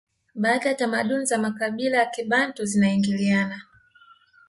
baadhi ya tamaduni za makabila ya kibantu zinaingiliana